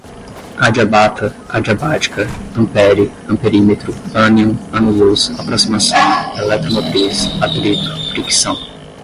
adiabata, adiabática, ampère, amperímetro, ânion, ano-luz, aproximação, eletromotriz, atrito, fricção